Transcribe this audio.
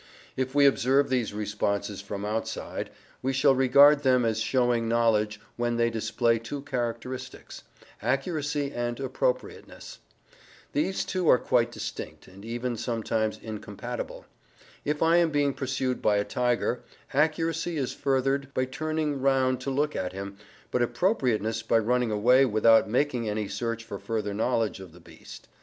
If we observe these responses from outside, we shall regard them as showing knowledge when they display two characteristics, ACCURACY and APPROPRIATENESS. These two are quite distinct, and even sometimes incompatible. If I am being pursued by a tiger, accuracy is furthered by turning round to look at him, but appropriateness by running away without making any search for further knowledge of the beast.